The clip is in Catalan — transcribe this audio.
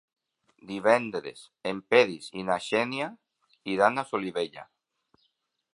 Divendres en Peris i na Xènia iran a Solivella.